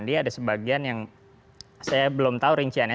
dia ada sebagian yang saya belum tahu rinciannya